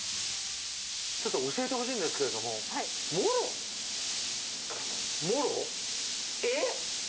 ちょっと教えてほしいんですけれどもモロモロ？